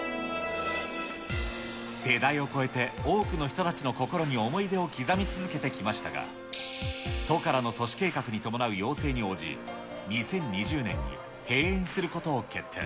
世代を超えて多くの人たちの心に思い出を刻み続けてきましたが、都からの都市計画に伴う要請に応じ、２０２０年に閉園することを決定。